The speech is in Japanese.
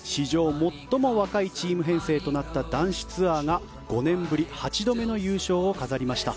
最も若いチーム編成となった男子ツアーが５年ぶり８度目の優勝を飾りました。